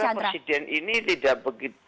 saya kira presiden ini tidak begitu